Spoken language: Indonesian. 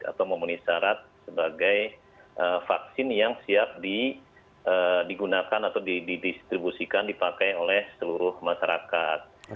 atau memenuhi syarat sebagai vaksin yang siap digunakan atau didistribusikan dipakai oleh seluruh masyarakat